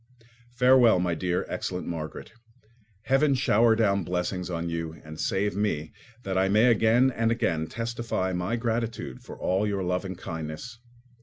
Farewell, my dear, excellent Margaret. Heaven shower down blessings on you, and save me, that I may again and again testify my gratitude for all your love and kindness.